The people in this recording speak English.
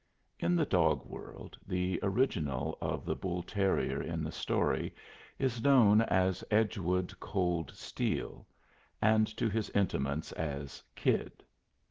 In the dog world, the original of the bull terrier in the story is known as Edgewood Cold Steel and to his intimates as "Kid."